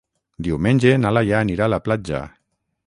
Diumenge na Laia anirà a la platja.